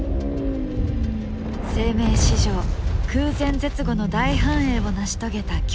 生命史上空前絶後の大繁栄を成し遂げた恐竜たち。